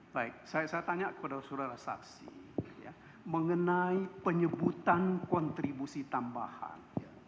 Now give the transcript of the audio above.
baik saya tanya kepada saudara saksi mengenai penyebutan kontribusi tambahan